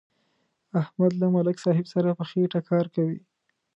احمد له ملک صاحب سره په خېټه کار کوي.